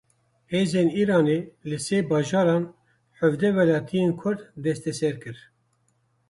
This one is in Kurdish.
Hêzên Îranê li sê bajaran hevdeh welatiyên kurd desteser kirin.